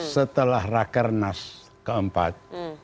setelah raker nas keempat